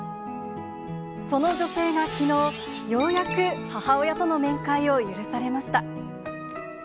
その女性がきのう、ようやく母親との面会を許されました。